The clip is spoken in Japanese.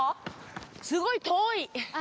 すごい遠いよ。